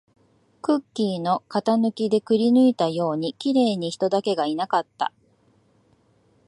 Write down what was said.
クッキーの型抜きでくりぬいたように、綺麗に人だけがいなかった